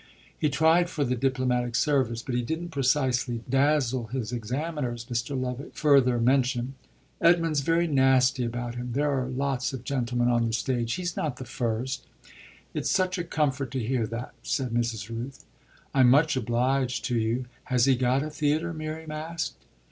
"He tried for the diplomatic service, but he didn't precisely dazzle his examiners," Mr. Lovick further mentioned. "Edmund's very nasty about him. There are lots of gentlemen on the stage he's not the first." "It's such a comfort to hear that," said Mrs. Rooth. "I'm much obliged to you. Has he got a theatre?" Miriam asked.